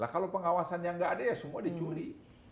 kalau pengawasannya nggak ada ya semua dicuri